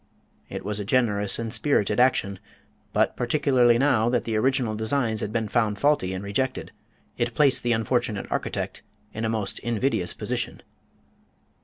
It was a generous and spirited action but, particularly now that the original designs had been found faulty and rejected, it placed the unfortunate architect in a most invidious position.